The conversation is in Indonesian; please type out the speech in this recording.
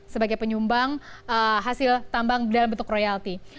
sebagai penyumbang hasil tambang dalam bentuk royalti